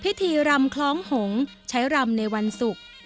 พิธีรำคล้องหงษ์ใช้รำในวันศุกร์